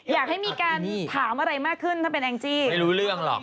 อยากให้มีการถามอะไรมากขึ้นถ้าเป็นแองจี้ไม่รู้เรื่องหรอก